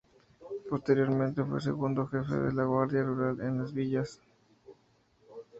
Posteriormente, fue Segundo Jefe de la Guardia Rural en Las Villas.